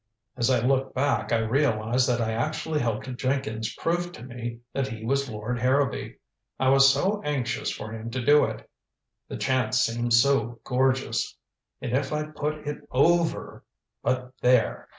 As I look back I realize that I actually helped Jenkins prove to me that he was Lord Harrowby. I was so anxious for him to do it the chance seemed so gorgeous. And if I'd put it over but there.